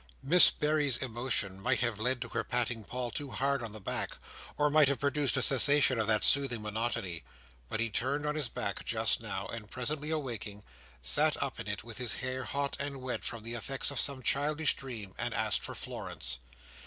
Miss Berry's emotion might have led to her patting Paul too hard on the back, or might have produced a cessation of that soothing monotony, but he turned in his bed just now, and, presently awaking, sat up in it with his hair hot and wet from the effects of some childish dream, and asked for Florence.